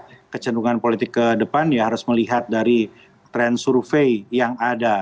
dan kalau kita melihat dengan politik ke depan ya harus melihat dari tren survei yang ada